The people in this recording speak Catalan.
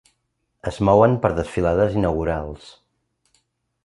Es mouen per desfilades inaugurals.